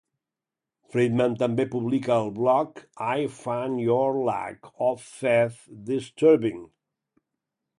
Friedman també publica el blog I Find Your Lack of Faith Disturbing.